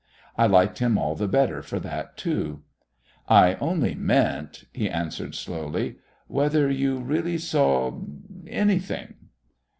I liked him all the better for that too. "I only meant," he answered slowly, "whether you really saw anything?"